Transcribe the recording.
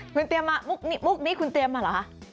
คุณเตรียมมามุกนี้คุณเตรียมมาเหรอคะ